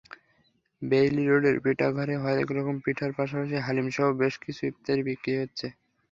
Bailey রোডের পিঠাঘরে হরেক রকম পিঠার পাশাপাশি হালিমসহ বেশ কিছু ইফতারি বিক্রি হচ্ছে।